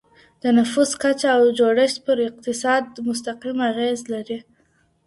د نفوس کچه او جوړښت پر اقتصاد مستقيم اغېز لري.